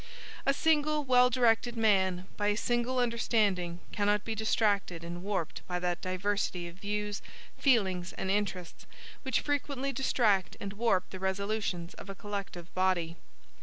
A single well directed man, by a single understanding, cannot be distracted and warped by that diversity of views, feelings, and interests, which frequently distract and warp the resolutions of a collective body.